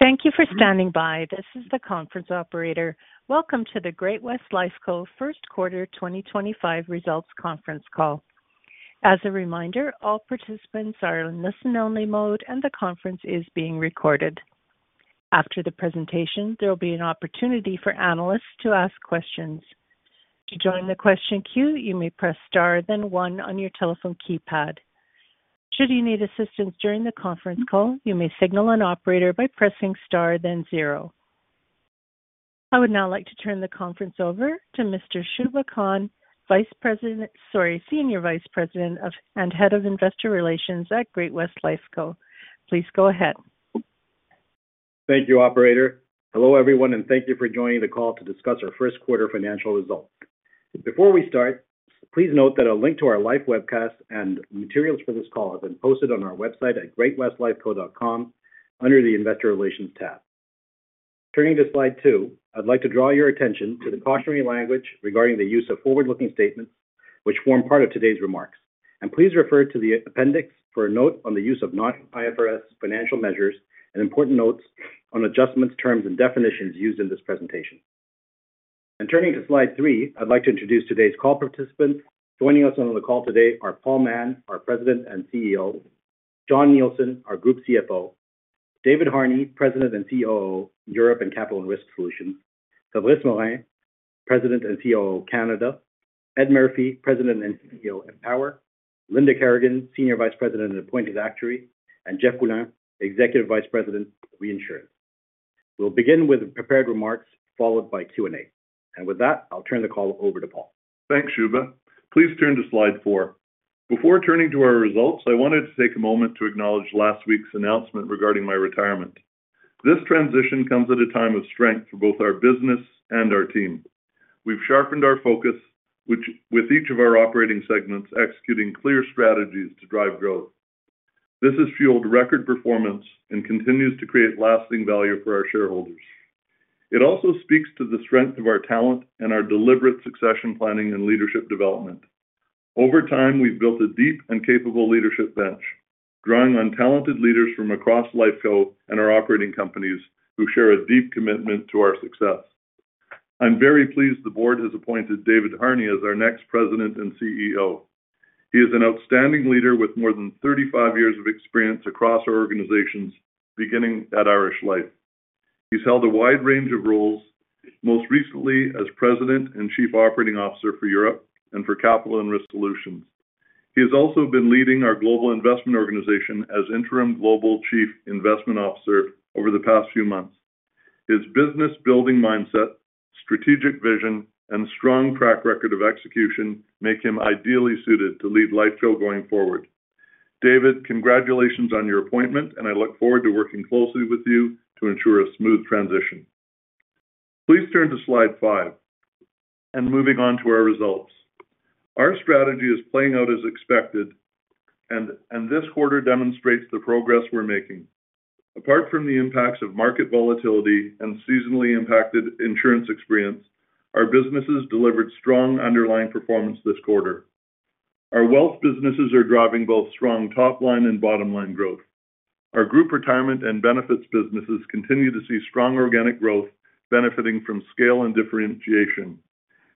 Thank you for standing by. This is the conference operator. Welcome to the Great-West Lifeco First Quarter 2025 Results Conference Call. As a reminder, all participants are on listen-only mode, and the conference is being recorded. After the presentation, there will be an opportunity for analysts to ask questions. To join the question queue, you may press star, then one on your telephone keypad. Should you need assistance during the conference call, you may signal an operator by pressing star, then zero. I would now like to turn the conference over to Mr. Shubha Khan, Vice President, sorry, Senior Vice President and Head of Investor Relations at Great-West Lifeco. Please go ahead. Thank you, Operator. Hello, everyone, and thank you for joining the call to discuss our first quarter financial results. Before we start, please note that a link to our live webcast and materials for this call have been posted on our website at greatwestlifeco.com under the Investor Relations tab. Turning to slide two, I'd like to draw your attention to the cautionary language regarding the use of forward-looking statements, which form part of today's remarks, and please refer to the appendix for a note on the use of non-IFRS financial measures and important notes on adjustments, terms, and definitions used in this presentation, and turning to slide three, I'd like to introduce today's call participants. Joining us on the call today are Paul Mahon, our President and CEO, Jon Nielsen, our Group CFO, David Harney, President and COO, Europe and Capital and Risk Solutions, Fabrice Morin, President and COO, Canada, Ed Murphy, President and CEO, Empower, Linda Kerrigan, Senior Vice President and Appointed Actuary, and Jeff Poulin, Executive Vice President, Reinsurance. We'll begin with prepared remarks followed by Q&A. With that, I'll turn the call over to Paul. Thanks, Shubha. Please turn to slide four. Before turning to our results, I wanted to take a moment to acknowledge last week's announcement regarding my retirement. This transition comes at a time of strength for both our business and our team. We've sharpened our focus, with each of our operating segments executing clear strategies to drive growth. This has fueled record performance and continues to create lasting value for our shareholders. It also speaks to the strength of our talent and our deliberate succession planning and leadership development. Over time, we've built a deep and capable leadership bench, drawing on talented leaders from across Lifeco and our operating companies who share a deep commitment to our success. I'm very pleased the board has appointed David Harney as our next President and CEO. He is an outstanding leader with more than 35 years of experience across our organizations, beginning at Irish Life. He's held a wide range of roles, most recently as President and Chief Operating Officer for Europe and for Capital and Risk Solutions. He has also been leading our Global Investment Organization as Interim Global Chief Investment Officer over the past few months. His business-building mindset, strategic vision, and strong track record of execution make him ideally suited to lead Lifeco going forward. David, congratulations on your appointment, and I look forward to working closely with you to ensure a smooth transition. Please turn to slide five. And moving on to our results. Our strategy is playing out as expected, and this quarter demonstrates the progress we're making. Apart from the impacts of market volatility and seasonally impacted insurance experience, our businesses delivered strong underlying performance this quarter. Our wealth businesses are driving both strong top-line and bottom-line growth. Our group retirement and benefits businesses continue to see strong organic growth, benefiting from scale and differentiation.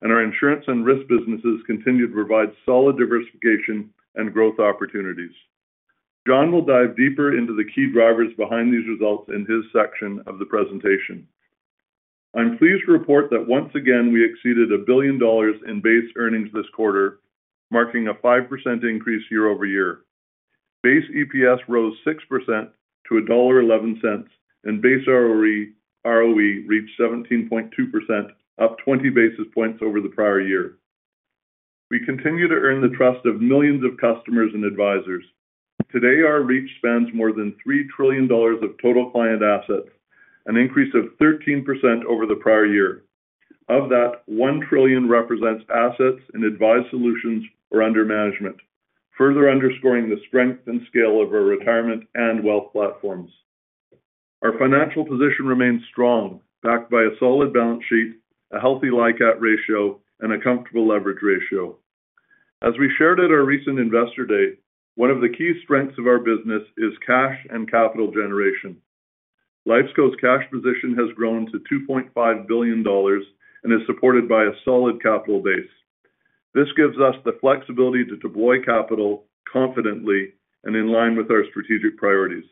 And our insurance and risk businesses continue to provide solid diversification and growth opportunities. Jon will dive deeper into the key drivers behind these results in his section of the presentation. I'm pleased to report that once again we exceeded a billion dollars in base earnings this quarter, marking a 5% increase year-over-year. Base EPS rose 6% to $1.11, and base ROE reached 17.2%, up 20 basis points over the prior year. We continue to earn the trust of millions of customers and advisors. Today, our reach spans more than $3 trillion of total client assets, an increase of 13% over the prior year. Of that,$1 trillion represents assets and advised solutions or under management, further underscoring the strength and scale of our retirement and wealth platforms. Our financial position remains strong, backed by a solid balance sheet, a healthy LICAT ratio, and a comfortable leverage ratio. As we shared at our recent investor day, one of the key strengths of our business is cash and capital generation. Lifeco's cash position has grown to $2.5 billion and is supported by a solid capital base. This gives us the flexibility to deploy capital confidently and in line with our strategic priorities.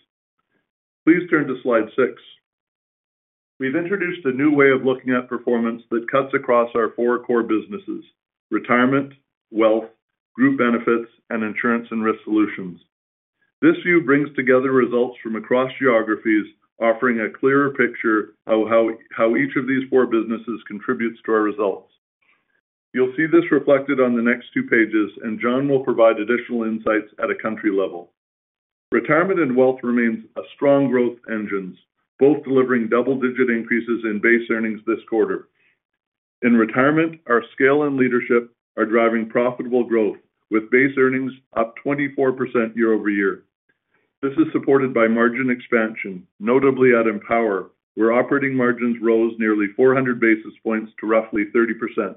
Please turn to slide six. We've introduced a new way of looking at performance that cuts across our four core businesses: retirement, wealth, group benefits, and insurance and risk solutions. This view brings together results from across geographies, offering a clearer picture of how each of these four businesses contributes to our results. You'll see this reflected on the next two pages, and Jon will provide additional insights at a country level. Retirement and wealth remain strong growth engines, both delivering double-digit increases in base earnings this quarter. In retirement, our scale and leadership are driving profitable growth, with base earnings up 24% year-over-year. This is supported by margin expansion, notably at Empower, where operating margins rose nearly 400 basis points to roughly 30%.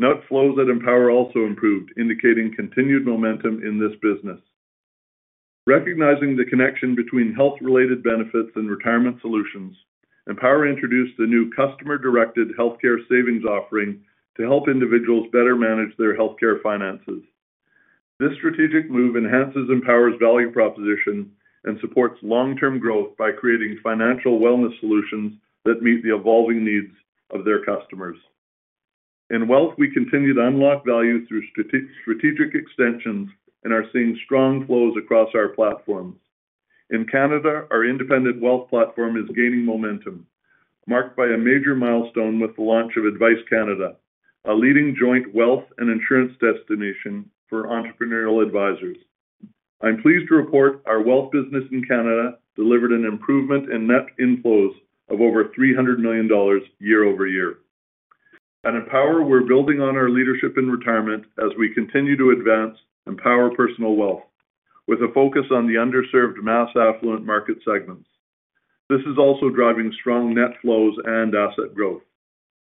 Net flows at Empower also improved, indicating continued momentum in this business. Recognizing the connection between health-related benefits and retirement solutions, Empower introduced the new customer-directed healthcare savings offering to help individuals better manage their healthcare finances. This strategic move enhances Empower's value proposition and supports long-term growth by creating financial wellness solutions that meet the evolving needs of their customers. In wealth, we continue to unlock value through strategic extensions and are seeing strong flows across our platforms. In Canada, our independent wealth platform is gaining momentum, marked by a major milestone with the launch of Advice Canada, a leading joint wealth and insurance destination for entrepreneurial advisors. I'm pleased to report our wealth business in Canada delivered an improvement in net inflows of over $300 million year-over-year. At Empower, we're building on our leadership in retirement as we continue to advance Empower Personal Wealth with a focus on the underserved mass affluent market segments. This is also driving strong net flows and asset growth.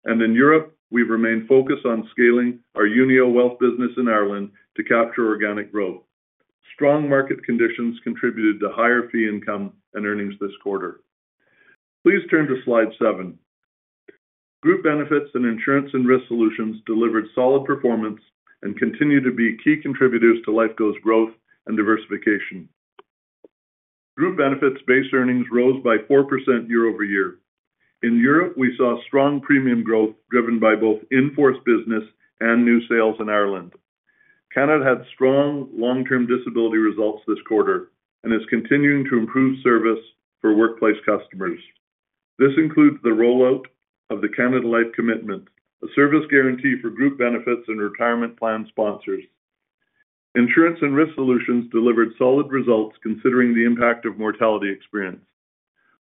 And in Europe, we've remained focused on scaling our Unio wealth business in Ireland to capture organic growth. Strong market conditions contributed to higher fee income and earnings this quarter. Please turn to slide seven. Group benefits and insurance and risk solutions delivered solid performance and continue to be key contributors to Lifeco's growth and diversification. Group benefits base earnings rose by 4% year-over-year. In Europe, we saw strong premium growth driven by both in-force business and new sales in Ireland. Canada had strong long-term disability results this quarter and is continuing to improve service for workplace customers. This includes the rollout of the Canada Life Commitment, a service guarantee for group benefits and retirement plan sponsors. Insurance and risk solutions delivered solid results considering the impact of mortality experience.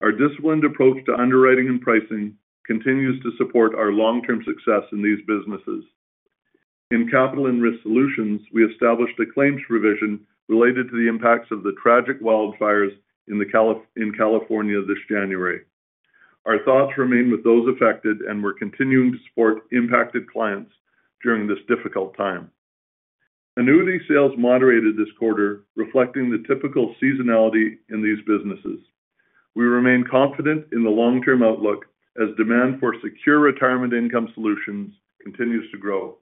Our disciplined approach to underwriting and pricing continues to support our long-term success in these businesses. In Capital and Risk Solutions, we established a claims provision related to the impacts of the tragic wildfires in California this January. Our thoughts remain with those affected and we're continuing to support impacted clients during this difficult time. Annuity sales moderated this quarter, reflecting the typical seasonality in these businesses. We remain confident in the long-term outlook as demand for secure retirement income solutions continues to grow,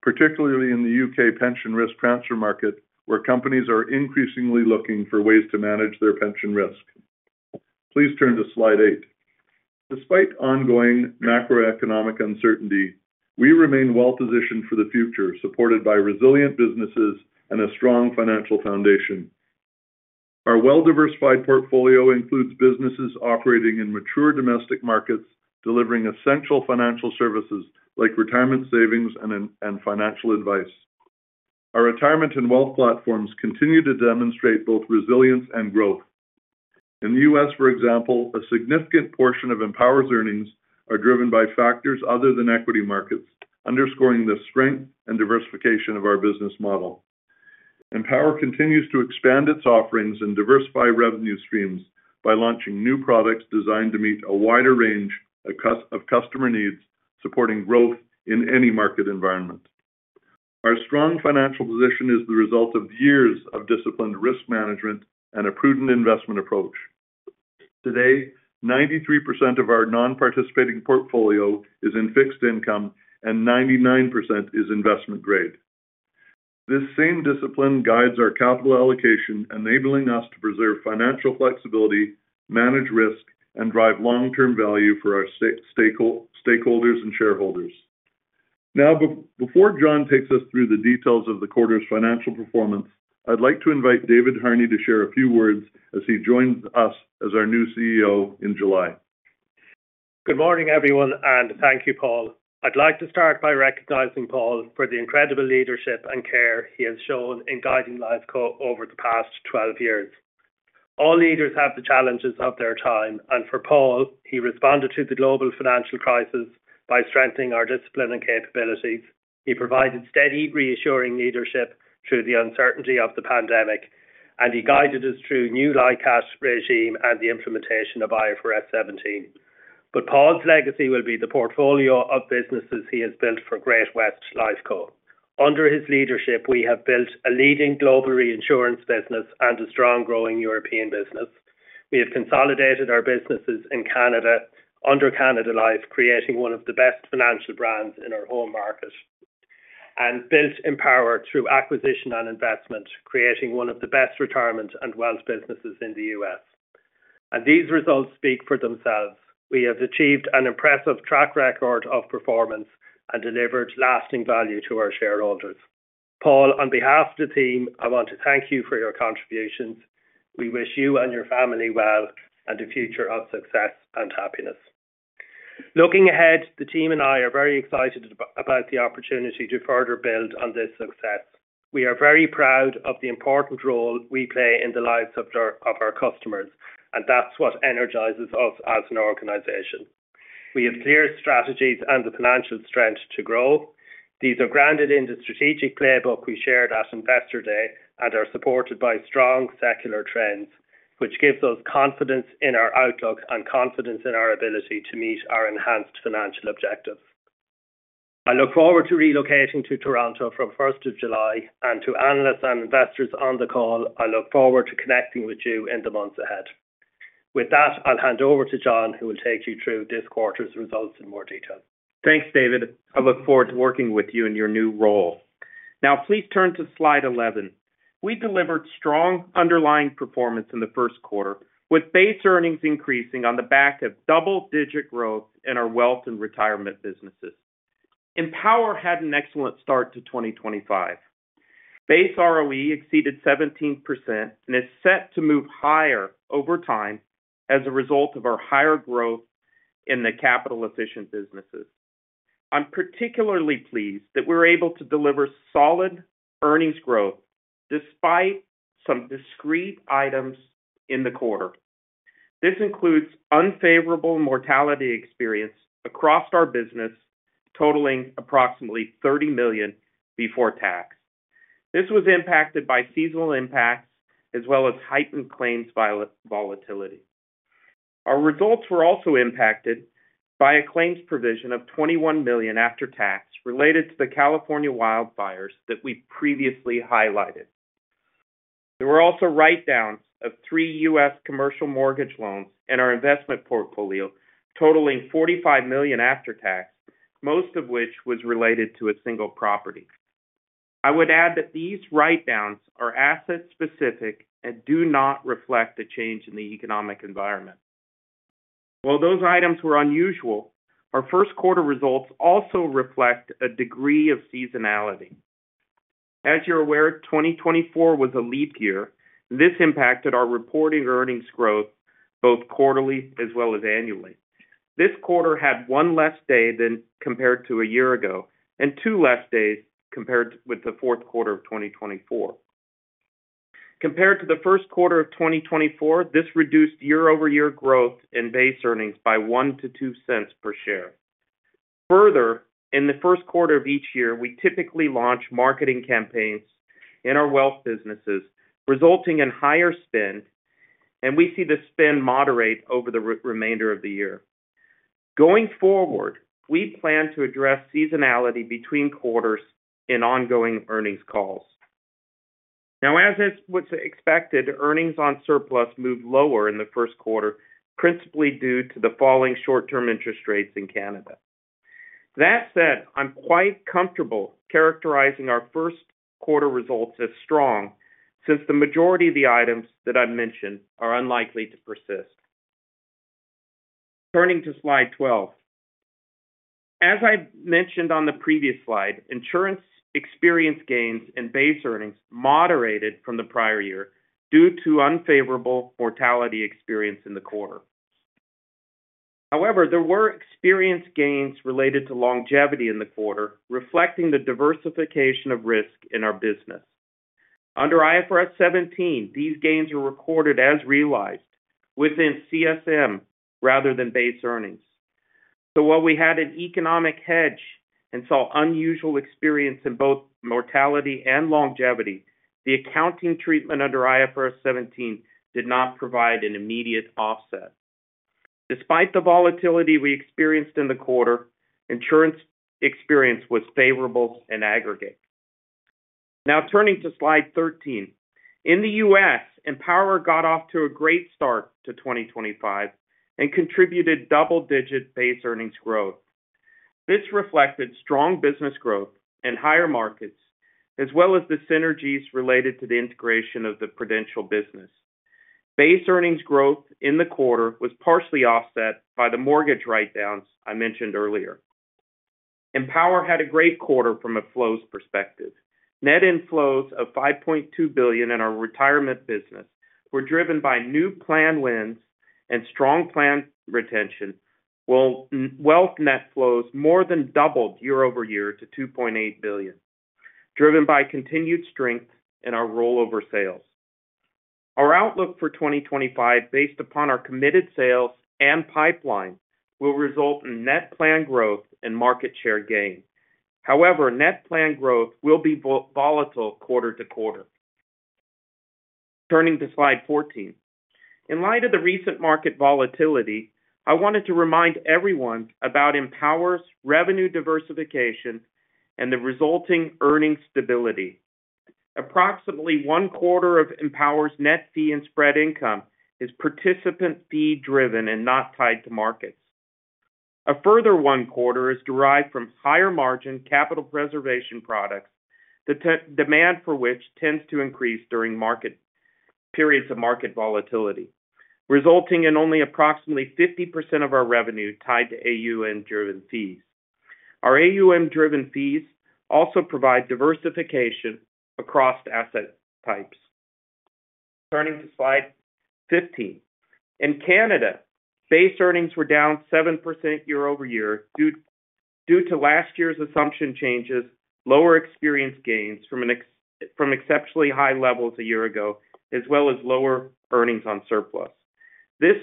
particularly in the U.K. pension risk transfer market, where companies are increasingly looking for ways to manage their pension risk. Please turn to slide eight. Despite ongoing macroeconomic uncertainty, we remain well-positioned for the future, supported by resilient businesses and a strong financial foundation. Our well-diversified portfolio includes businesses operating in mature domestic markets, delivering essential financial services like retirement savings and financial advice. Our retirement and wealth platforms continue to demonstrate both resilience and growth. In the U.S., for example, a significant portion of Empower's earnings are driven by factors other than equity markets, underscoring the strength and diversification of our business model. Empower continues to expand its offerings and diversify revenue streams by launching new products designed to meet a wider range of customer needs, supporting growth in any market environment. Our strong financial position is the result of years of disciplined risk management and a prudent investment approach. Today, 93% of our non-participating portfolio is in fixed income and 99% is investment grade. This same discipline guides our capital allocation, enabling us to preserve financial flexibility, manage risk, and drive long-term value for our stakeholders and shareholders. Now, before Jon takes us through the details of the quarter's financial performance, I'd like to invite David Harney to share a few words as he joins us as our new CEO in July. Good morning, everyone, and thank you, Paul. I'd like to start by recognizing Paul for the incredible leadership and care he has shown in guiding Lifeco over the past 12 years. All leaders have the challenges of their time, and for Paul, he responded to the global financial crisis by strengthening our discipline and capabilities. He provided steady, reassuring leadership through the uncertainty of the pandemic, and he guided us through new LICAT regime and the implementation of IFRS 17. But Paul's legacy will be the portfolio of businesses he has built for Great-West Lifeco. Under his leadership, we have built a leading global reinsurance business and a strong-growing European business. We have consolidated our businesses in Canada under Canada Life, creating one of the best financial brands in our home market, and built Empower through acquisition and investment, creating one of the best retirement and wealth businesses in the U.S. And these results speak for themselves. We have achieved an impressive track record of performance and delivered lasting value to our shareholders. Paul, on behalf of the team, I want to thank you for your contributions. We wish you and your family well and a future of success and happiness. Looking ahead, the team and I are very excited about the opportunity to further build on this success. We are very proud of the important role we play in the lives of our customers, and that's what energizes us as an organization. We have clear strategies and the financial strength to grow. These are grounded in the strategic playbook we shared at Investor Day and are supported by strong secular trends, which gives us confidence in our outlook and confidence in our ability to meet our enhanced financial objectives. I look forward to relocating to Toronto from 1 July, and to analysts and investors on the call, I look forward to connecting with you in the months ahead. With that, I'll hand over to Jon, who will take you through this quarter's results in more detail. Thanks, David. I look forward to working with you in your new role. Now, please turn to slide 11. We delivered strong underlying performance in the first quarter, with base earnings increasing on the back of double-digit growth in our wealth and retirement businesses. Empower had an excellent start to 2025. Base ROE exceeded 17% and is set to move higher over time as a result of our higher growth in the capital-efficient businesses. I'm particularly pleased that we're able to deliver solid earnings growth despite some discrete items in the quarter. This includes unfavorable mortality experience across our business, totaling approximately $30 million before tax. This was impacted by seasonal impacts as well as heightened claims volatility. Our results were also impacted by a claims provision of $21 million after tax related to the California wildfires that we previously highlighted. There were also write-downs of three U.S. commercial mortgage loans in our investment portfolio, totaling $45 million after tax, most of which was related to a single property. I would add that these write-downs are asset-specific and do not reflect a change in the economic environment. While those items were unusual, our first quarter results also reflect a degree of seasonality. As you're aware, 2024 was a leap year. This impacted our reporting earnings growth both quarterly as well as annually. This quarter had one less day than compared to a year ago and two less days compared with the fourth quarter of 2024. Compared to the first quarter of 2024, this reduced year-over-year growth in base earnings by $0.01-$0.02 per share. Further, in the first quarter of each year, we typically launch marketing campaigns in our wealth businesses, resulting in higher spend, and we see the spend moderate over the remainder of the year. Going forward, we plan to address seasonality between quarters in ongoing earnings calls. Now, as was expected, earnings on surplus moved lower in the first quarter, principally due to the falling short-term interest rates in Canada. That said, I'm quite comfortable characterizing our first quarter results as strong since the majority of the items that I've mentioned are unlikely to persist. Turning to slide 12. As I mentioned on the previous slide, insurance experience gains in base earnings moderated from the prior year due to unfavorable mortality experience in the quarter. However, there were experience gains related to longevity in the quarter, reflecting the diversification of risk in our business. Under IFRS 17, these gains were recorded as realized within CSM rather than base earnings. So while we had an economic hedge and saw unusual experience in both mortality and longevity, the accounting treatment under IFRS 17 did not provide an immediate offset. Despite the volatility we experienced in the quarter, insurance experience was favorable in aggregate. Now, turning to slide 13. In the U.S., Empower got off to a great start to 2025 and contributed double-digit base earnings growth. This reflected strong business growth and higher markets, as well as the synergies related to the integration of the Prudential business. Base earnings growth in the quarter was partially offset by the mortgage write-downs I mentioned earlier. Empower had a great quarter from a flows perspective. Net inflows of $5.2 billion in our retirement business were driven by new plan wins and strong plan retention, while wealth net flows more than doubled year-over-year to $2.8 billion, driven by continued strength in our rollover sales. Our outlook for 2025, based upon our committed sales and pipeline, will result in net plan growth and market share gain. However, net plan growth will be volatile quarter to quarter. Turning to slide 14. In light of the recent market volatility, I wanted to remind everyone about Empower's revenue diversification and the resulting earnings stability. Approximately one quarter of Empower's net fee and spread income is participant fee-driven and not tied to markets. A further one quarter is derived from higher margin capital preservation products, the demand for which tends to increase during periods of market volatility, resulting in only approximately 50% of our revenue tied to AUM-driven fees. Our AUM-driven fees also provide diversification across asset types. Turning to slide 15. In Canada, base earnings were down 7% year-over-year due to last year's assumption changes, lower experience gains from exceptionally high levels a year ago, as well as lower earnings on surplus. This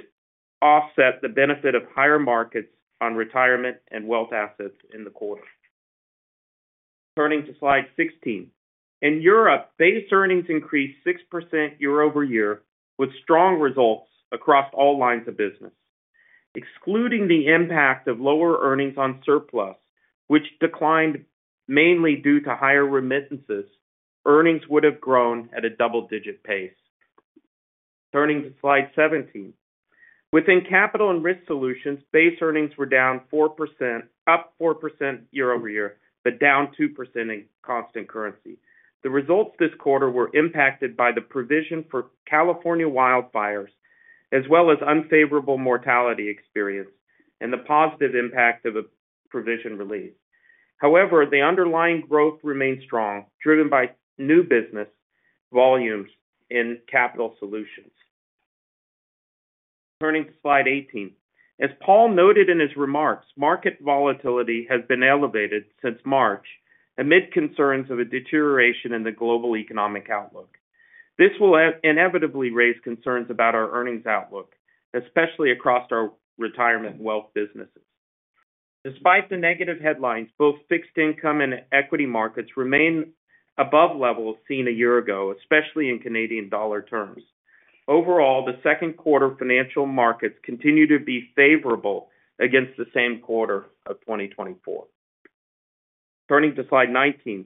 offset the benefit of higher markets on retirement and wealth assets in the quarter. Turning to slide 16. In Europe, base earnings increased 6% year-over-year with strong results across all lines of business. Excluding the impact of lower earnings on surplus, which declined mainly due to higher remittances, earnings would have grown at a double-digit pace. Turning to slide 17. Within Capital and Risk Solutions, base earnings were down 4%, up 4% year-over-year, but down 2% in constant currency. The results this quarter were impacted by the provision for California wildfires, as well as unfavorable mortality experience and the positive impact of a provision release. However, the underlying growth remained strong, driven by new business volumes in Capital Solutions. Turning to slide 18. As Paul noted in his remarks, market volatility has been elevated since March, amid concerns of a deterioration in the global economic outlook. This will inevitably raise concerns about our earnings outlook, especially across our retirement wealth businesses. Despite the negative headlines, both fixed income and equity markets remain above levels seen a year ago, especially in Canadian dollar terms. Overall, the second quarter financial markets continue to be favorable against the same quarter of 2024. Turning to slide 19.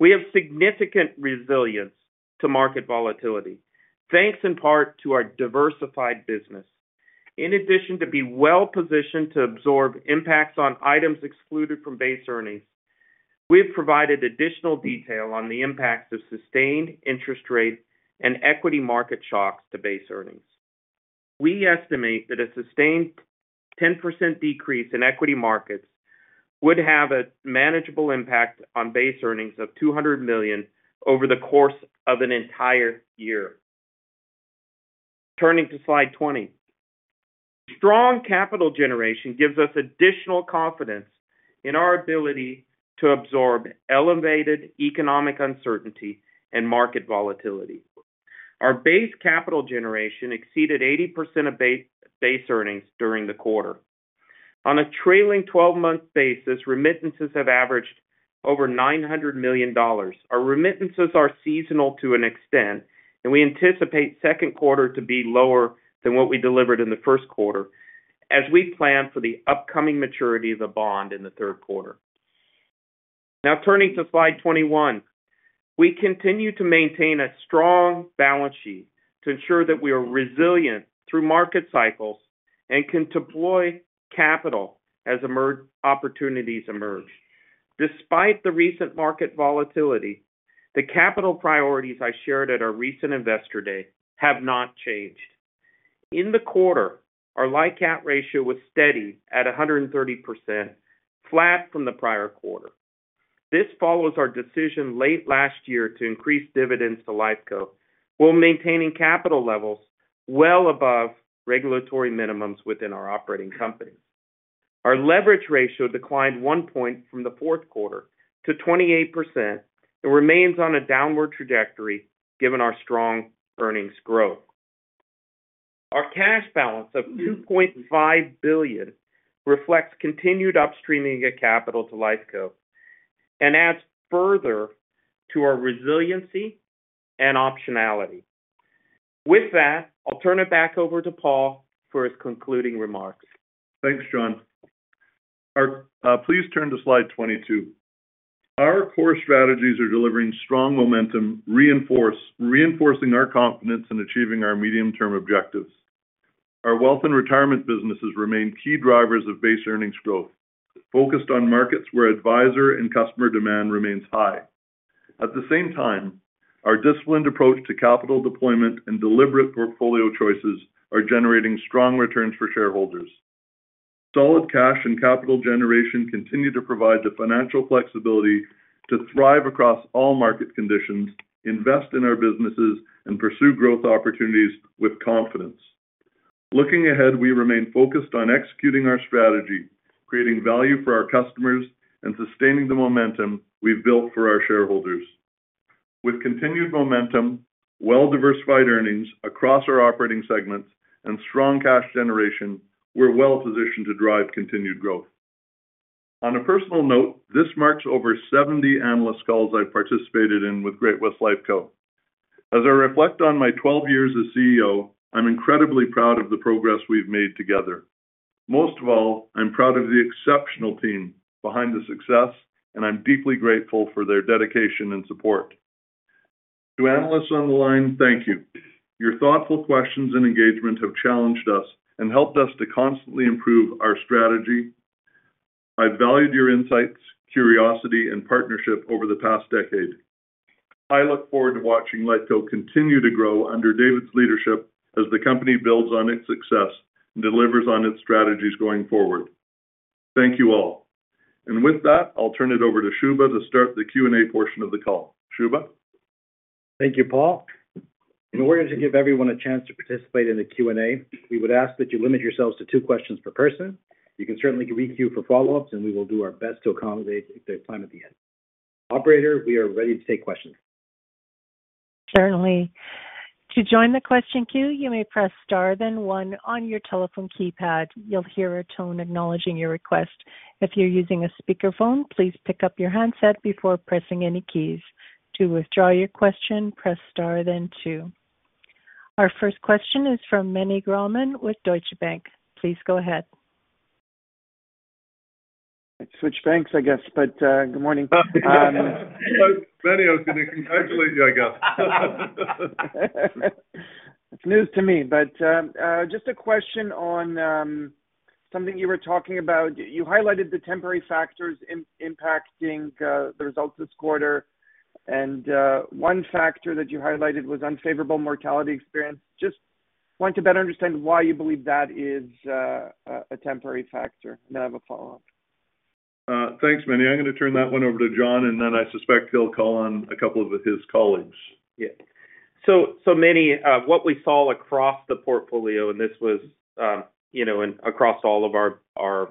We have significant resilience to market volatility, thanks in part to our diversified business. In addition to being well-positioned to absorb impacts on items excluded from base earnings, we have provided additional detail on the impacts of sustained interest rate and equity market shocks to base earnings. We estimate that a sustained 10% decrease in equity markets would have a manageable impact on base earnings of $200 million over the course of an entire year. Turning to slide 20. Strong capital generation gives us additional confidence in our ability to absorb elevated economic uncertainty and market volatility. Our base capital generation exceeded 80% of base earnings during the quarter. On a trailing 12-month basis, remittances have averaged over $900 million. Our remittances are seasonal to an extent, and we anticipate the second quarter to be lower than what we delivered in the first quarter, as we plan for the upcoming maturity of the bond in the third quarter. Now, turning to slide 21. We continue to maintain a strong balance sheet to ensure that we are resilient through market cycles and can deploy capital as opportunities emerge. Despite the recent market volatility, the capital priorities I shared at our recent Investor Day have not changed. In the quarter, our LICAT ratio was steady at 130%, flat from the prior quarter. This follows our decision late last year to increase dividends to Lifeco while maintaining capital levels well above regulatory minimums within our operating companies. Our leverage ratio declined one point from the fourth quarter to 28% and remains on a downward trajectory given our strong earnings growth. Our cash balance of $2.5 billion reflects continued upstreaming of capital to Lifeco and adds further to our resiliency and optionality. With that, I'll turn it back over to Paul for his concluding remarks. Thanks, John. Please turn to slide 22. Our core strategies are delivering strong momentum, reinforcing our confidence in achieving our medium-term objectives. Our wealth and retirement businesses remain key drivers of base earnings growth, focused on markets where advisor and customer demand remains high. At the same time, our disciplined approach to capital deployment and deliberate portfolio choices are generating strong returns for shareholders. Solid cash and capital generation continue to provide the financial flexibility to thrive across all market conditions, invest in our businesses, and pursue growth opportunities with confidence. Looking ahead, we remain focused on executing our strategy, creating value for our customers, and sustaining the momentum we've built for our shareholders. With continued momentum, well-diversified earnings across our operating segments, and strong cash generation, we're well-positioned to drive continued growth. On a personal note, this marks over 70 analyst calls I've participated in with Great-West Lifeco. As I reflect on my 12 years as CEO, I'm incredibly proud of the progress we've made together. Most of all, I'm proud of the exceptional team behind the success, and I'm deeply grateful for their dedication and support. To analysts on the line, thank you. Your thoughtful questions and engagement have challenged us and helped us to constantly improve our strategy. I've valued your insights, curiosity, and partnership over the past decade. I look forward to watching Lifeco continue to grow under David's leadership as the company builds on its success and delivers on its strategies going forward. Thank you all. And with that, I'll turn it over to Shubha to start the Q&A portion of the call. Shubha? Thank you, Paul. In order to give everyone a chance to participate in the Q&A, we would ask that you limit yourselves to two questions per person. You can certainly re-queue for follow-ups, and we will do our best to accommodate the time at the end. Operator, we are ready to take questions. Certainly. To join the question queue, you may press star then one on your telephone keypad. You'll hear a tone acknowledging your request. If you're using a speakerphone, please pick up your handset before pressing any keys. To withdraw your question, press star then two. Our first question is from Meny Grauman with Deutsche Bank. Please go ahead. Switch banks, I guess, but good morning. Hello, Manny. Congratulations, I guess. It's news to me, but just a question on something you were talking about. You highlighted the temporary factors impacting the results this quarter, and one factor that you highlighted was unfavorable mortality experience. Just want to better understand why you believe that is a temporary factor, and then I have a follow-up. Thanks, Manny. I'm going to turn that one over to Jon, and then I suspect he'll call on a couple of his colleagues. Yeah. So Manny, what we saw across the portfolio, and this was across all of our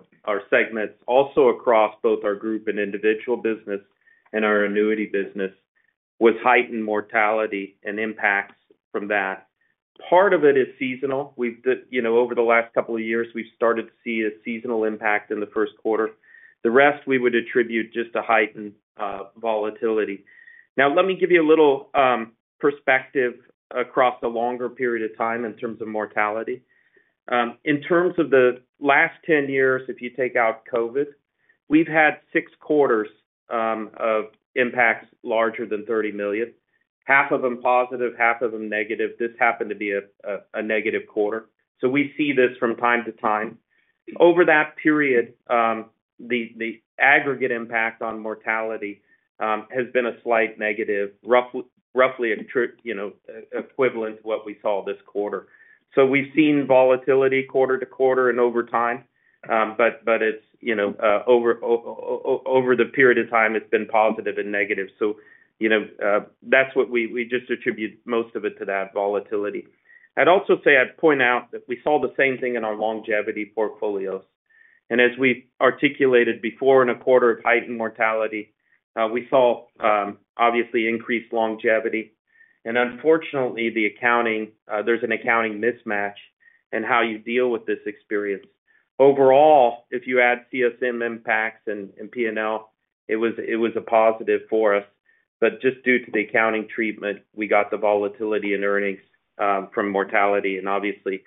segments, also across both our group and individual business and our annuity business, was heightened mortality and impacts from that. Part of it is seasonal. Over the last couple of years, we've started to see a seasonal impact in the first quarter. The rest we would attribute just to heightened volatility. Now, let me give you a little perspective across a longer period of time in terms of mortality. In terms of the last 10 years, if you take out COVID, we've had six quarters of impacts larger than $30 million. Half of them positive, half of them negative. This happened to be a negative quarter. So we see this from time to time. Over that period, the aggregate impact on mortality has been a slight negative, roughly equivalent to what we saw this quarter. So we've seen volatility quarter to quarter and over time, but over the period of time, it's been positive and negative. So that's what we just attribute most of it to that volatility. I'd also say I'd point out that we saw the same thing in our longevity portfolios. And as we articulated before, in a quarter of heightened mortality, we saw obviously increased longevity. And unfortunately, there's an accounting mismatch in how you deal with this experience. Overall, if you add CSM impacts and P&L, it was a positive for us. But just due to the accounting treatment, we got the volatility in earnings from mortality, and obviously,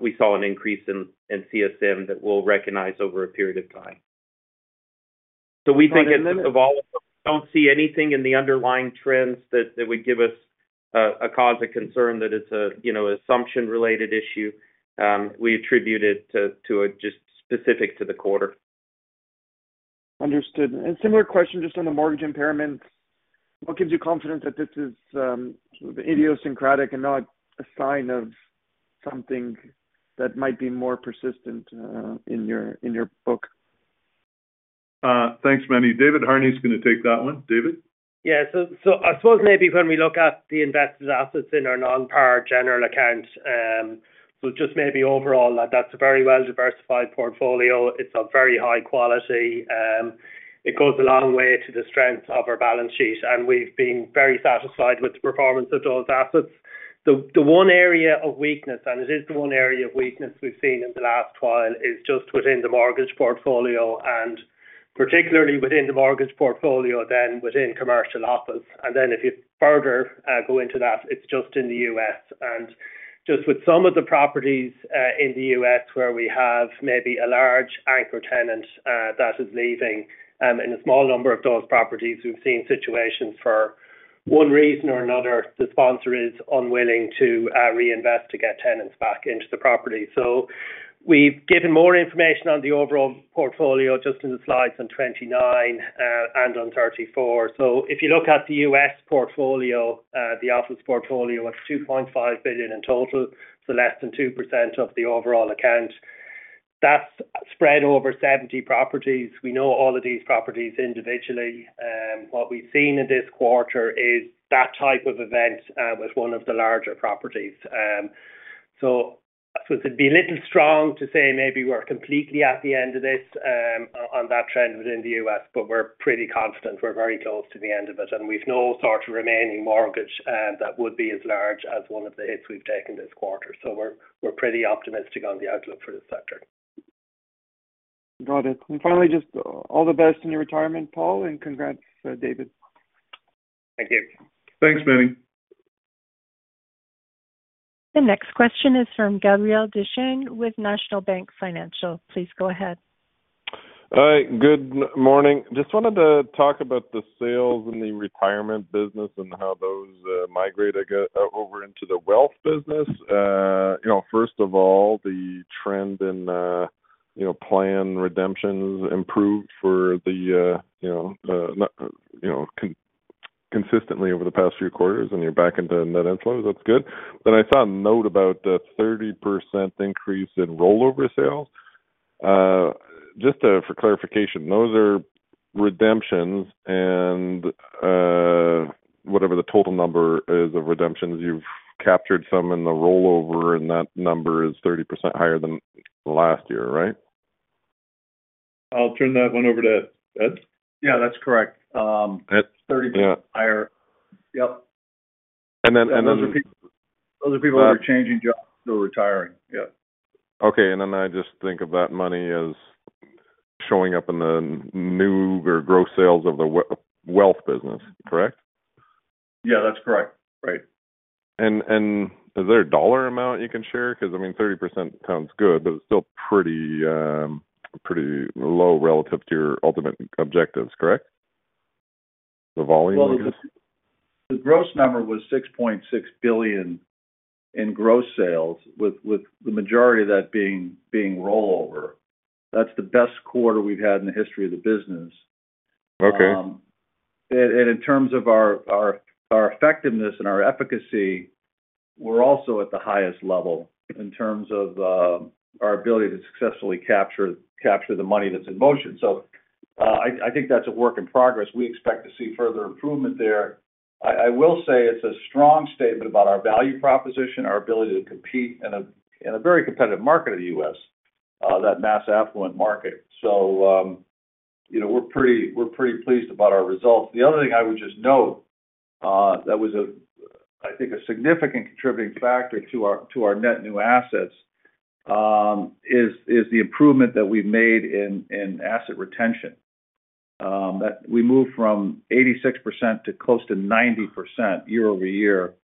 we saw an increase in CSM that we'll recognize over a period of time. We think as a result, we don't see anything in the underlying trends that would give us a cause of concern that it's an assumption-related issue. We attribute it to just specific to the quarter. Understood. And similar question just on the mortgage impairments. What gives you confidence that this is idiosyncratic and not a sign of something that might be more persistent in your book? Thanks, Manny. David Harney's going to take that one. David? Yeah. So I suppose maybe when we look at the investors' assets in our non-par general accounts, so just maybe overall, that's a very well-diversified portfolio. It's of very high quality. It goes a long way to the strength of our balance sheet, and we've been very satisfied with the performance of those assets. The one area of weakness, and it is the one area of weakness we've seen in the last while, is just within the mortgage portfolio, and particularly within the mortgage portfolio, then within commercial office. And then if you further go into that, it's just in the U.S. And just with some of the properties in the U.S. where we have maybe a large anchor tenant that is leaving, in a small number of those properties, we've seen situations for one reason or another. The sponsor is unwilling to reinvest to get tenants back into the property. So we've given more information on the overall portfolio just in the slides on 29 and on 34. So if you look at the U.S. portfolio, the office portfolio, it's $2.5 billion in total, so less than 2% of the overall account. That's spread over 70 properties. We know all of these properties individually. What we've seen in this quarter is that type of event with one of the larger properties. So I suppose it'd be a little strong to say maybe we're completely at the end of this on that trend within the U.S., but we're pretty confident we're very close to the end of it, and we've no sort of remaining mortgage that would be as large as one of the hits we've taken this quarter. So we're pretty optimistic on the outlook for this sector. Got it. And finally, just all the best in your retirement, Paul, and congrats, David. Thank you. Thanks, Manny. The next question is from Gabriel Dechaine with National Bank Financial. Please go ahead. Good morning. Just wanted to talk about the sales and the retirement business and how those migrate over into the wealth business. First of all, the trend in plan redemptions improved consistently over the past few quarters, and you're back into net inflows. That's good. Then I saw a note about a 30% increase in rollover sales. Just for clarification, those are redemptions, and whatever the total number is of redemptions, you've captured some in the rollover, and that number is 30% higher than last year, right? I'll turn that one over to Ed. Yeah, that's correct. 30% higher. Yep. And then. Those are people who are changing jobs or retiring. Yep. Okay. And then I just think of that money as showing up in the new or gross sales of the wealth business, correct? Yeah, that's correct. Right. And is there a dollar amount you can share? Because, I mean, 30% sounds good, but it's still pretty low relative to your ultimate objectives, correct? The volume? The gross number was $6.6 billion in gross sales, with the majority of that being rollover. That's the best quarter we've had in the history of the business. In terms of our effectiveness and our efficacy, we're also at the highest level in terms of our ability to successfully capture the money that's in motion. I think that's a work in progress. We expect to see further improvement there. I will say it's a strong statement about our value proposition, our ability to compete in a very competitive market of the U.S., that mass affluent market. We're pretty pleased about our results. The other thing I would just note that was, I think, a significant contributing factor to our net new assets is the improvement that we've made in asset retention. We moved from 86% to close to 90% year over year,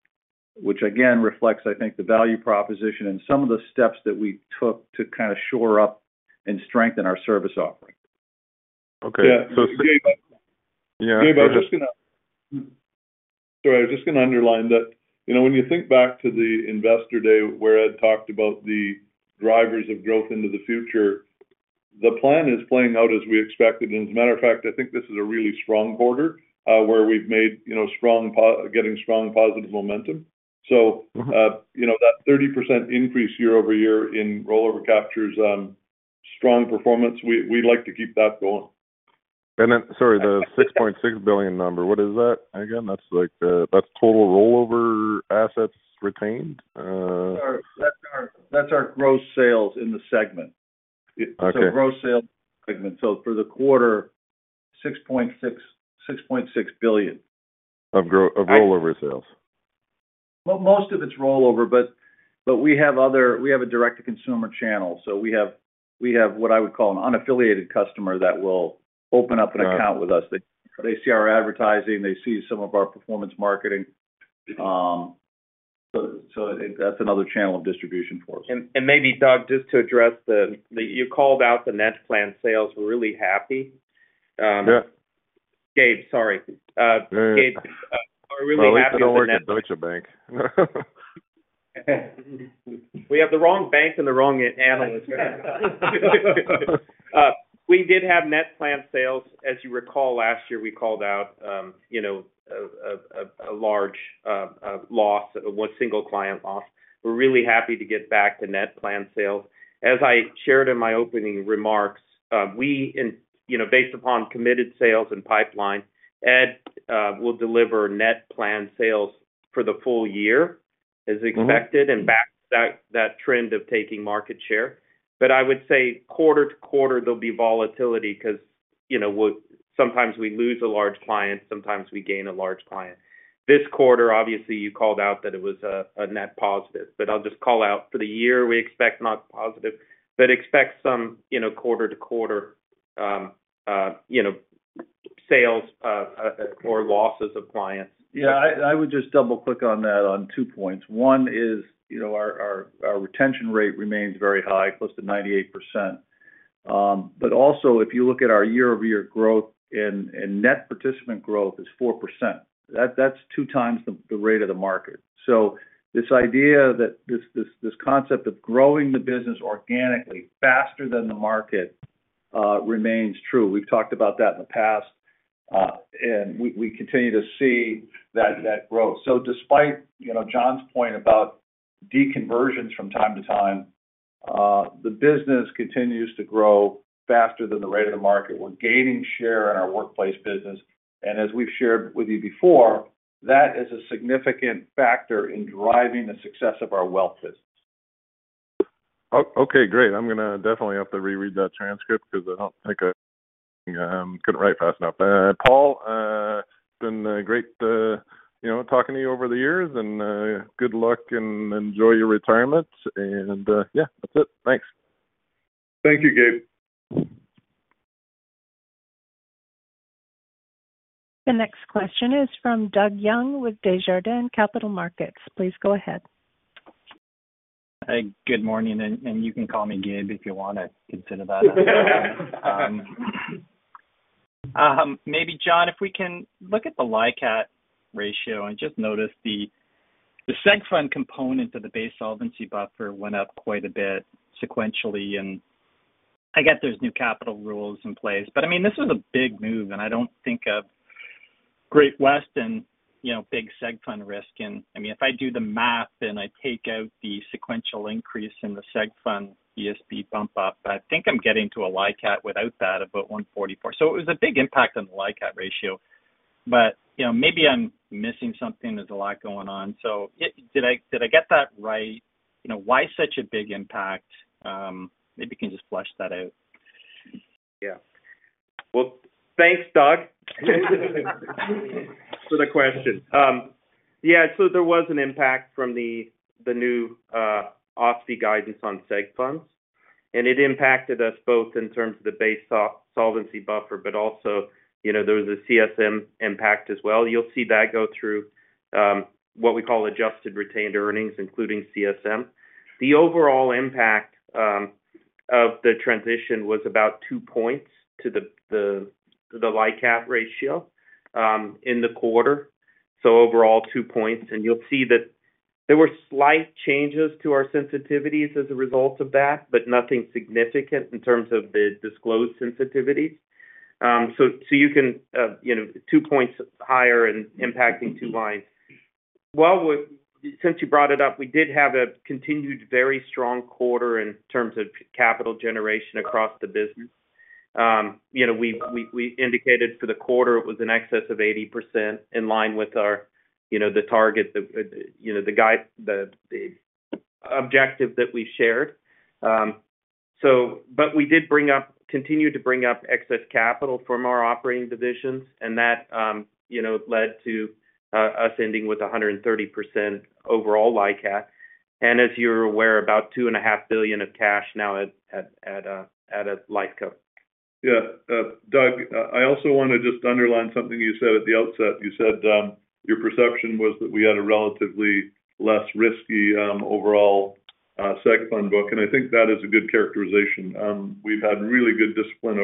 which again reflects, I think, the value proposition and some of the steps that we took to kind of shore up and strengthen our service offering. Okay. Yeah. So David. Yeah. David, I was just going to. Sorry. I was just going to underline that when you think back to the investor day where Ed talked about the drivers of growth into the future, the plan is playing out as we expected. And as a matter of fact, I think this is a really strong quarter where we're getting strong positive momentum. So that 30% increase year over year in rollover captures strong performance. We'd like to keep that going. And then, sorry, the $6.6 billion number, what is that again? That's total rollover assets retained? That's our gross sales in the segment. So gross sales segment. So for the quarter, $6.6 billion. Of rollover sales? Most of it's rollover, but we have a direct-to-consumer channel. So we have what I would call an unaffiliated customer that will open up an account with us. They see our advertising. They see some of our performance marketing. So that's another channel of distribution for us. Maybe, Doug, just to address what you called out, the net plan sales. We're really happy. Yeah. Gabe, sorry. We're really happy with the net. Oh, we don't have a Deutsche Bank. We have the wrong bank and the wrong analyst. We did have net plan sales. As you recall, last year, we called out a large loss, a single client loss. We're really happy to get back to net plan sales. As I shared in my opening remarks, based upon committed sales and pipeline, Ed will deliver net plan sales for the full year as expected and back that trend of taking market share. But I would say quarter to quarter, there'll be volatility because sometimes we lose a large client, sometimes we gain a large client. This quarter, obviously, you called out that it was a net positive, but I'll just call out for the year, we expect not positive, but expect some quarter to quarter sales or losses of clients. Yeah. I would just double-click on that on two points. One is our retention rate remains very high, close to 98%. But also, if you look at our year-over-year growth, and net participant growth is 4%. That's two times the rate of the market. So this idea that this concept of growing the business organically faster than the market remains true. We've talked about that in the past, and we continue to see that growth. So despite Jon's point about deconversions from time to time, the business continues to grow faster than the rate of the market. We're gaining share in our workplace business. And as we've shared with you before, that is a significant factor in driving the success of our wealth business. Okay. Great. I'm going to definitely have to reread that transcript because I don't think I couldn't write fast enough. Paul, it's been great talking to you over the years, and good luck and enjoy your retirement, and yeah, that's it. Thanks. Thank you, Gabe. The next question is from Doug Young with Desjardins Capital Markets. Please go ahead. Good morning. You can call me Gabe if you want to consider that. Maybe, Jon, if we can look at the LICAT ratio and just notice the Seg Fund component of the base solvency buffer went up quite a bit sequentially. I guess there's new capital rules in place. I mean, this was a big move, and I don't think of Great West and big Seg Fund risk. I mean, if I do the math and I take out the sequential increase in the Seg Fund BSB bump-up, I think I'm getting to a LICAT without that of about 144. It was a big impact on the LICAT ratio, but maybe I'm missing something. There's a lot going on. Did I get that right? Why such a big impact? Maybe you can just flesh that out. Yeah. Well, thanks, Doug, for the question. Yeah. So there was an impact from the new OSFI guidance on Seg Funds, and it impacted us both in terms of the base solvency buffer, but also there was a CSM impact as well. You'll see that go through what we call adjusted retained earnings, including CSM. The overall impact of the transition was about two points to the LICAT ratio in the quarter. So overall, two points. And you'll see that there were slight changes to our sensitivities as a result of that, but nothing significant in terms of the disclosed sensitivities. So you can two points higher and impacting two lines. Well, since you brought it up, we did have a continued very strong quarter in terms of capital generation across the business. We indicated for the quarter it was in excess of 80% in line with the target, the objective that we shared. But we did continue to bring up excess capital from our operating divisions, and that led to us ending with 130% overall LICAT. And as you're aware, about $2.5 billion of cash now at the holdco. Yeah. Doug, I also want to just underline something you said at the outset. You said your perception was that we had a relatively less risky overall Seg Fund book, and I think that is a good characterization. We've had really good discipline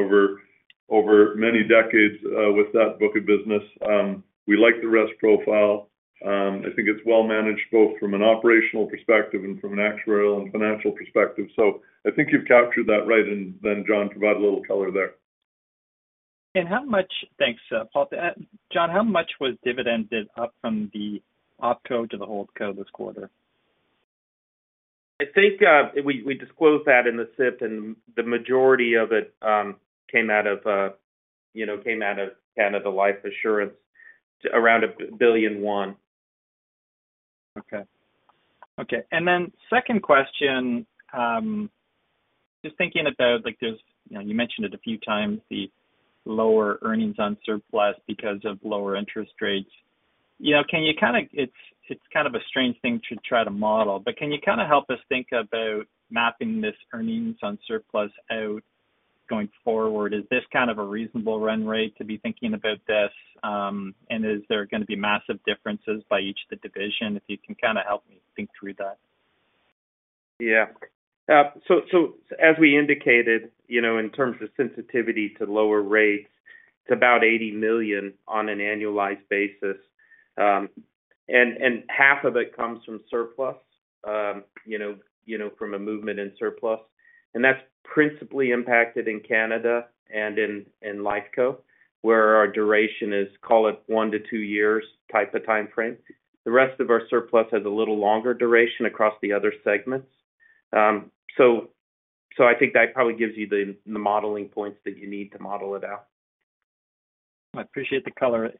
over many decades with that book of business. We like the risk profile. I think it's well managed both from an operational perspective and from an actuarial and financial perspective. So I think you've captured that right. And then, Jon, provide a little color there. Thanks, Paul. Jon, how much was the dividend up from the opco to the holdco this quarter? I think we disclosed that in the SIP, and the majority of it came out of Canada Life Assurance, around $1 billion. Okay. Okay. And then second question, just thinking about you mentioned it a few times, the lower earnings on surplus because of lower interest rates. Can you kind of it's kind of a strange thing to try to model, but can you kind of help us think about mapping this earnings on surplus out going forward? Is this kind of a reasonable run rate to be thinking about this? And is there going to be massive differences by each of the divisions? If you can kind of help me think through that. Yeah. So as we indicated, in terms of sensitivity to lower rates, it's about $80 million on an annualized basis. And half of it comes from surplus, from a movement in surplus. And that's principally impacted in Canada and in LICAT, where our duration is, call it one to two years type of time frame. The rest of our surplus has a little longer duration across the other segments. So I think that probably gives you the modeling points that you need to model it out. I appreciate the color.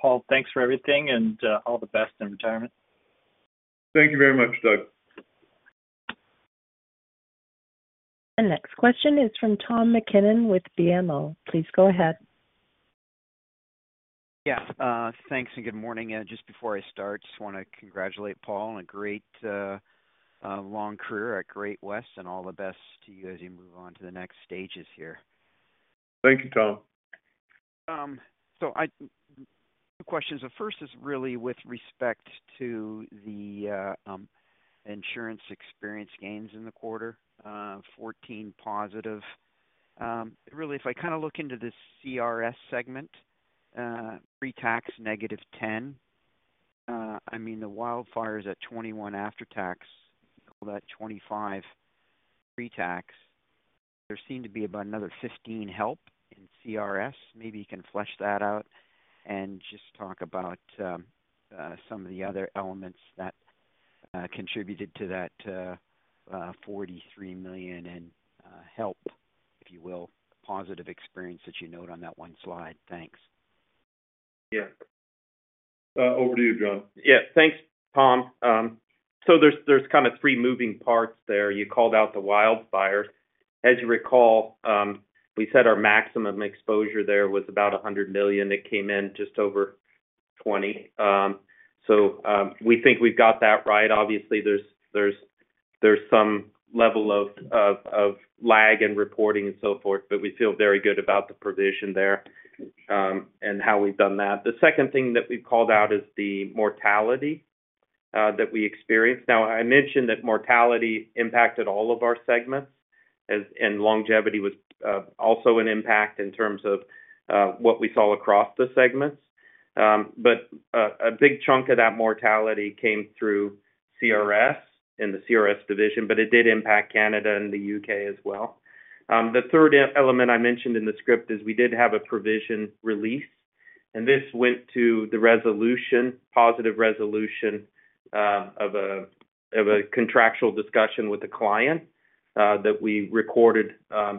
Paul, thanks for everything and all the best in retirement. Thank you very much, Doug. The next question is from Tom MacKinnon with BMO. Please go ahead. Yeah. Thanks and good morning. And just before I start, just want to congratulate Paul on a great long career at Great-West and all the best to you as you move on to the next stages here. Thank you, Tom. So two questions. The first is really with respect to the insurance experience gains in the quarter, $14+. Really, if I kind of look into the CRS segment, pre-tax -$10. I mean, the wildfires at $21 after tax, that $25 pre-tax. There seemed to be about another $15 help in CRS. Maybe you can flesh that out and just talk about some of the other elements that contributed to that $43 million in help, if you will, positive experience that you note on that one slide. Thanks. Yeah. Over to you, Jon. Yeah. Thanks, Tom, so there's kind of three moving parts there. You called out the wildfires. As you recall, we said our maximum exposure there was about $100 million. It came in just over $20 million, so we think we've got that right. Obviously, there's some level of lag in reporting and so forth, but we feel very good about the provision there and how we've done that. The second thing that we've called out is the mortality that we experienced. Now, I mentioned that mortality impacted all of our segments, and longevity was also an impact in terms of what we saw across the segments, but a big chunk of that mortality came through CRS and the CRS division, but it did impact Canada and the U.K. as well. The third element I mentioned in the script is we did have a provision release, and this went to the resolution, positive resolution of a contractual discussion with the client that we recorded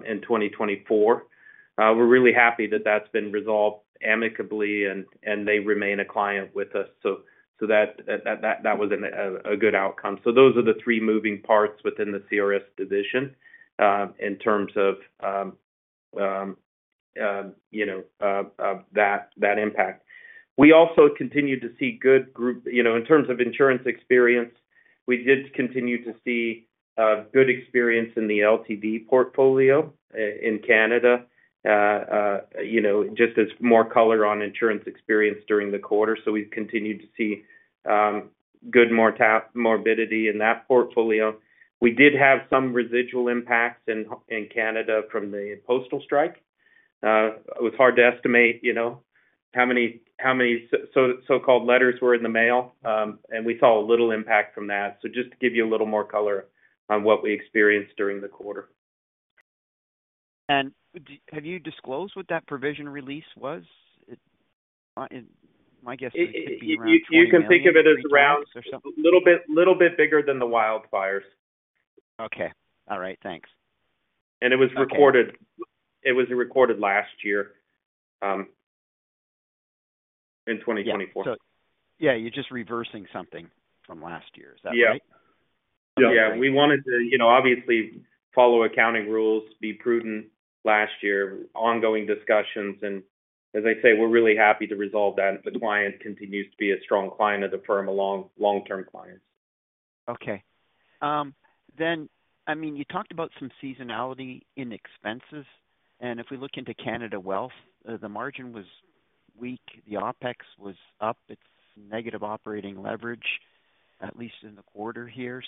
in 2024. We're really happy that that's been resolved amicably, and they remain a client with us. So that was a good outcome. So those are the three moving parts within the CRS division in terms of that impact. We also continued to see good in terms of insurance experience. We did continue to see good experience in the LTD portfolio in Canada, just as more color on insurance experience during the quarter. So we've continued to see good morbidity in that portfolio. We did have some residual impacts in Canada from the postal strike. It was hard to estimate how many so-called letters were in the mail, and we saw a little impact from that. So just to give you a little more color on what we experienced during the quarter. Have you disclosed what that provision release was? My guess could be around $200 million. You can think of it as around a little bit bigger than the wildfires. Okay. All right. Thanks. It was recorded last year in 2024. Yeah. So yeah, you're just reversing something from last year. Is that right? Yeah. Yeah. We wanted to, obviously, follow accounting rules, be prudent last year, ongoing discussions. And as I say, we're really happy to resolve that if the client continues to be a strong client of the firm along long-term clients. Okay. Then, I mean, you talked about some seasonality in expenses. And if we look into Canada Wealth, the margin was weak. The OpEx was up. It's negative operating leverage, at least in the quarter here.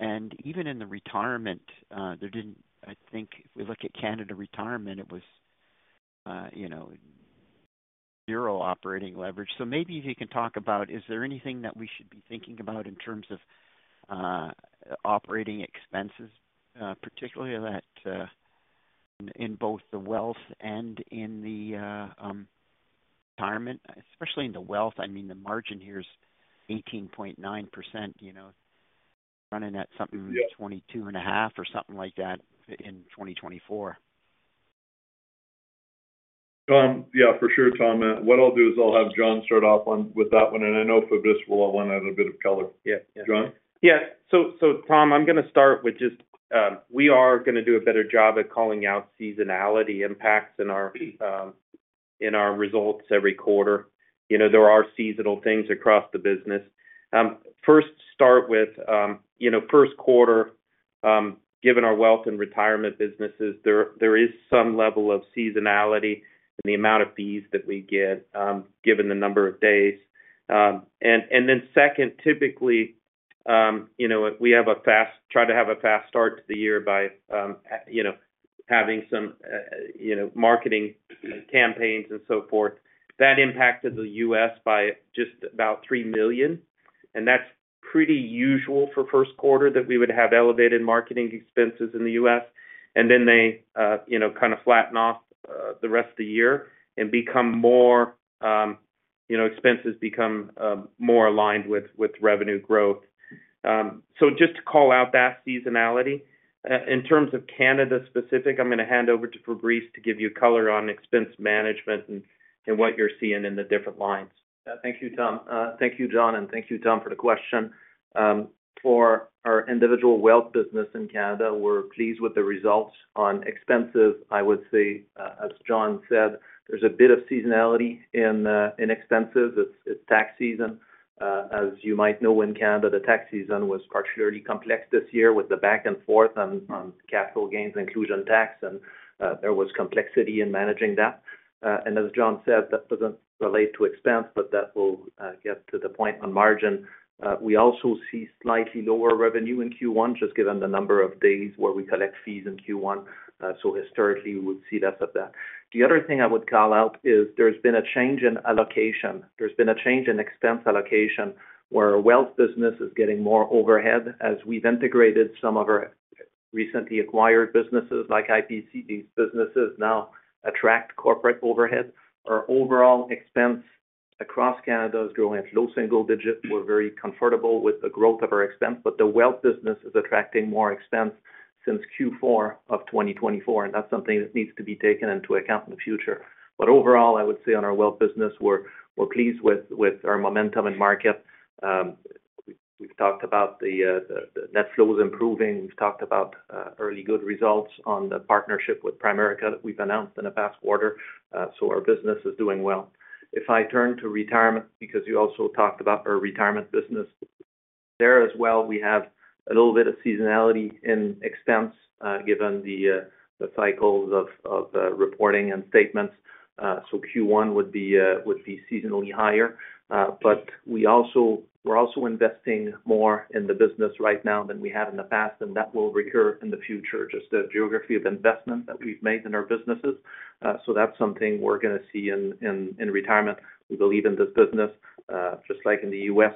And even in the retirement, there didn't I think if we look at Canada retirement, it was zero operating leverage. So maybe if you can talk about, is there anything that we should be thinking about in terms of operating expenses, particularly in both the wealth and in the retirement? Especially in the wealth, I mean, the margin here is 18.9%. You're running at something like 22.5% or something like that in 2024. Yeah. For sure, Tom. What I'll do is I'll have Jon start off with that one. And I know for this we'll all want to add a bit of color. Jon? Yeah. So Tom, I'm going to start with just we are going to do a better job at calling out seasonality impacts in our results every quarter. There are seasonal things across the business. First, start with first quarter, given our wealth and retirement businesses, there is some level of seasonality in the amount of fees that we get, given the number of days. And then second, typically, we have a we try to have a fast start to the year by having some marketing campaigns and so forth. That impacted the U.S. by just about $3 million. And that's pretty usual for first quarter that we would have elevated marketing expenses in the U.S. And then they kind of flatten off the rest of the year and expenses become more aligned with revenue growth. So just to call out that seasonality. In terms of Canada specific, I'm going to hand over to Fabrice to give you color on expense management and what you're seeing in the different lines. Thank you, Tom. Thank you, John, and thank you, Tom, for the question. For our individual wealth business in Canada, we're pleased with the results on expenses. I would say, as John said, there's a bit of seasonality in expenses. It's tax season. As you might know, in Canada, the tax season was particularly complex this year with the back and forth on capital gains inclusion tax, and there was complexity in managing that. And as John said, that doesn't relate to expense, but that will get to the point on margin. We also see slightly lower revenue in Q1, just given the number of days where we collect fees in Q1. So historically, we would see less of that. The other thing I would call out is there's been a change in allocation. There's been a change in expense allocation where wealth business is getting more overhead as we've integrated some of our recently acquired businesses like IPC. These businesses now attract corporate overhead. Our overall expense across Canada is growing at low single digits. We're very comfortable with the growth of our expense, but the wealth business is attracting more expense since Q4 of 2024, and that's something that needs to be taken into account in the future. But overall, I would say on our wealth business, we're pleased with our momentum in market. We've talked about the net flows improving. We've talked about early good results on the partnership with Primerica that we've announced in the past quarter. So our business is doing well. If I turn to retirement, because you also talked about our retirement business there as well, we have a little bit of seasonality in expense given the cycles of reporting and statements. So Q1 would be seasonally higher. But we're also investing more in the business right now than we had in the past, and that will recur in the future, just the geography of investment that we've made in our businesses. So that's something we're going to see in retirement. We believe in this business. Just like in the U.S.,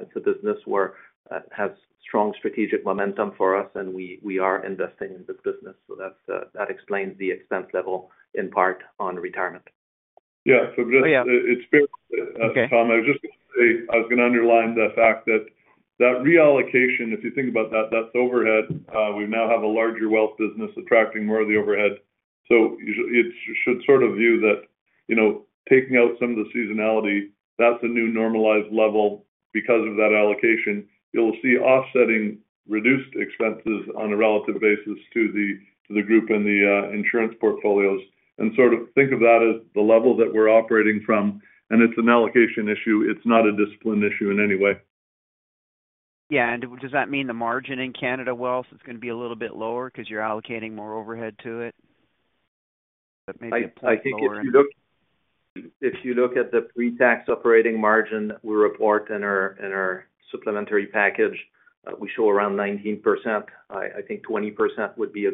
it's a business where it has strong strategic momentum for us, and we are investing in this business. So that explains the expense level in part on retirement. Yeah. It's fair to say, Tom, I was just going to say I was going to underline the fact that that reallocation, if you think about that, that's overhead. We now have a larger wealth business attracting more of the overhead. So it should sort of view that taking out some of the seasonality, that's a new normalized level because of that allocation. You'll see offsetting reduced expenses on a relative basis to the group and the insurance portfolios. And sort of think of that as the level that we're operating from, and it's an allocation issue. It's not a discipline issue in any way. Yeah, and does that mean the margin in Canada Wealth is going to be a little bit lower because you're allocating more overhead to it? That may be a plus for us. I think if you look at the pre-tax operating margin that we report in our supplementary package, we show around 19%. I think 20% would be a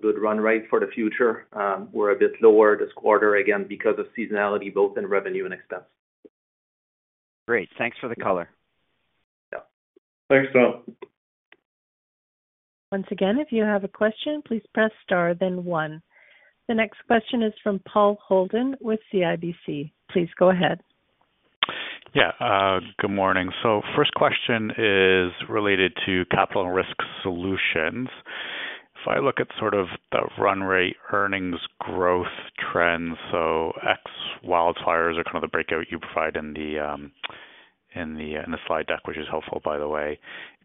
good run rate for the future. We're a bit lower this quarter, again, because of seasonality, both in revenue and expense. Great. Thanks for the color. Thanks, Tom. Once again, if you have a question, please press star, then one. The next question is from Paul Holden with CIBC. Please go ahead. Yeah. Good morning. So first question is related to Capital and Risk Solutions. If I look at sort of the run rate earnings growth trends, so ex wildfires are kind of the breakout you provide in the slide deck, which is helpful, by the way.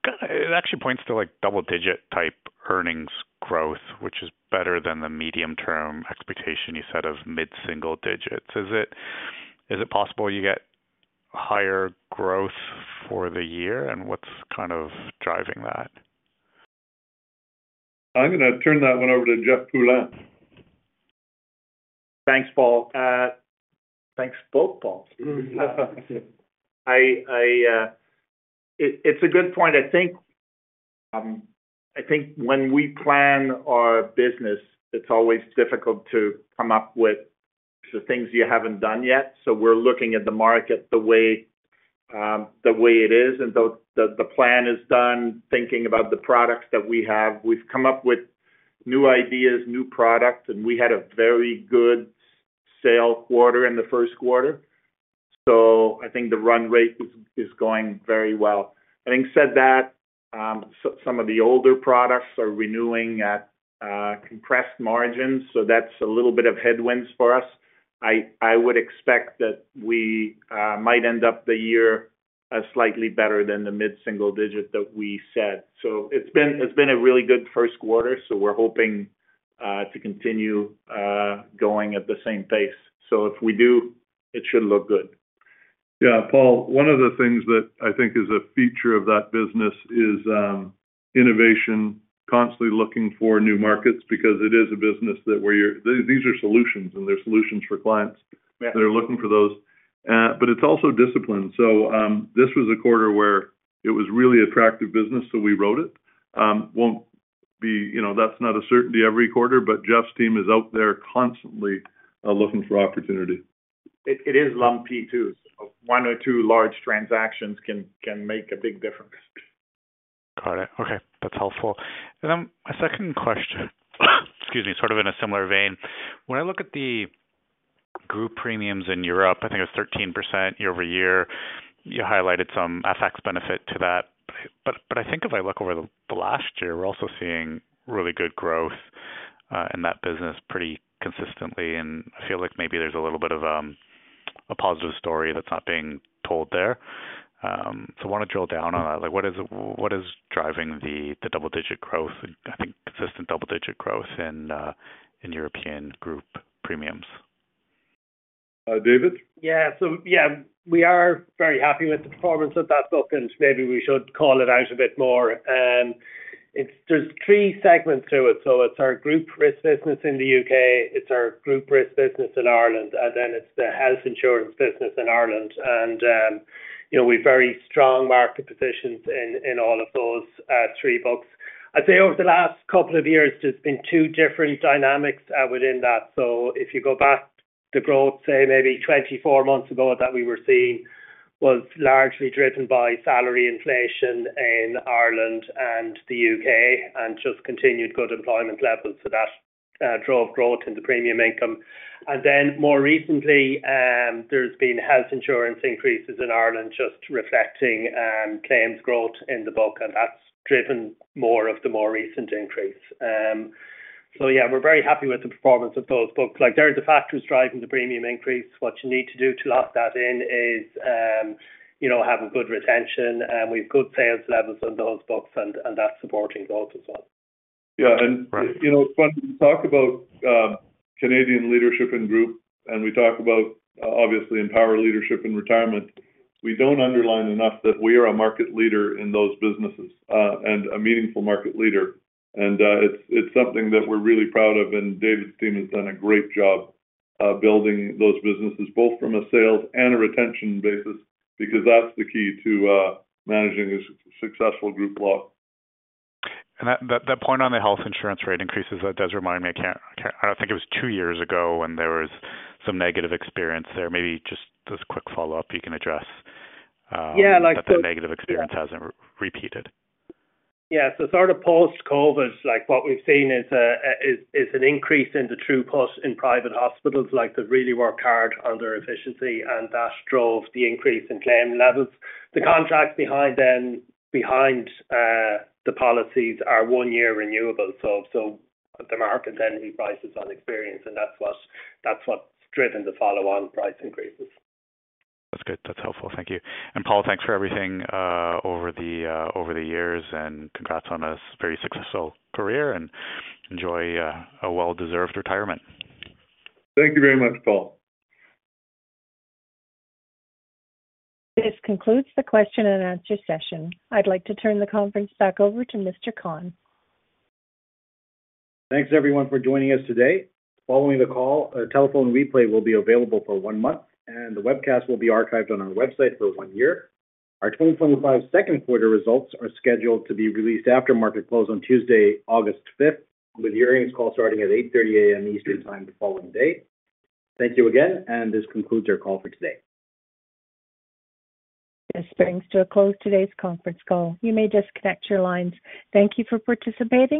It actually points to double-digit type earnings growth, which is better than the medium-term expectation you said of mid-single digits. Is it possible you get higher growth for the year, and what's kind of driving that? I'm going to turn that one over to Jeff Poulin. Thanks, Paul. Thanks both, Paul. It's a good point. I think when we plan our business, it's always difficult to come up with the things you haven't done yet. So we're looking at the market the way it is, and the plan is done thinking about the products that we have. We've come up with new ideas, new products, and we had a very good sale quarter in the first quarter. So I think the run rate is going very well. Having said that, some of the older products are renewing at compressed margins, so that's a little bit of headwinds for us. I would expect that we might end up the year slightly better than the mid-single digit that we said. So it's been a really good first quarter, so we're hoping to continue going at the same pace. So if we do, it should look good. Yeah. Paul, one of the things that I think is a feature of that business is innovation, constantly looking for new markets because it is a business that these are solutions, and there are solutions for clients. They're looking for those. But it's also discipline. So this was a quarter where it is really attractive business, so we wrote it. Won't be. That's not a certainty every quarter, but Jeff's team is out there constantly looking for opportunity. It is lumpy too. One or two large transactions can make a big difference. Got it. Okay. That's helpful. And then my second question, excuse me, sort of in a similar vein. When I look at the group premiums in Europe, I think it was 13% year over year. You highlighted some FX benefit to that. But I think if I look over the last year, we're also seeing really good growth in that business pretty consistently. And I feel like maybe there's a little bit of a positive story that's not being told there. So I want to drill down on that. What is driving the double-digit growth, I think consistent double-digit growth in European group premiums? David? Yeah. So yeah, we are very happy with the performance of that book and maybe we should call it out a bit more. There's three segments to it. So it's our group risk business in the U.K., it's our group risk business in Ireland, and then it's the health insurance business in Ireland. And we've very strong market positions in all of those three books. I'd say over the last couple of years, there's been two different dynamics within that. So if you go back, the growth, say, maybe 24 months ago that we were seeing was largely driven by salary inflation in Ireland and the U.K. and just continued good employment levels. So that drove growth in the premium income. And then more recently, there's been health insurance increases in Ireland just reflecting claims growth in the book, and that's driven more of the more recent increase. Yeah, we're very happy with the performance of those books. Those are the factors driving the premium increase. What you need to do to lock that in is have a good retention, and we have good sales levels on those books, and that's supporting those as well. Yeah. And it's funny to talk about Canadian leadership and group, and we talk about, obviously, Empower leadership in retirement. We don't underline enough that we are a market leader in those businesses and a meaningful market leader. And it's something that we're really proud of, and David's team has done a great job building those businesses, both from a sales and a retention basis, because that's the key to managing a successful group LOB. That point on the health insurance rate increases, that does remind me. I don't think it was two years ago when there was some negative experience there. Maybe just this quick follow-up you can address. Yeah. Like. That the negative experience hasn't repeated. Yeah. So sort of post-COVID, what we've seen is an increase in the throughput in private hospitals that really work hard under efficiency, and that drove the increase in claim levels. The contracts behind the policies are one-year renewables. So the market's entry prices on experience, and that's what's driven the follow-on price increases. That's good. That's helpful. Thank you. And Paul, thanks for everything over the years, and congrats on a very successful career, and enjoy a well-deserved retirement. Thank you very much, Paul. This concludes the question and answer session. I'd like to turn the conference back over to Mr. Khan. Thanks, everyone, for joining us today. Following the call, a telephone replay will be available for one month, and the webcast will be archived on our website for one year. Our 2025 second quarter results are scheduled to be released after market close on Tuesday, August 5th, with earnings call starting at 8:30 A.M. Eastern Time the following day. Thank you again, and this concludes our call for today. This brings to a close today's conference call. You may disconnect your lines. Thank you for participating.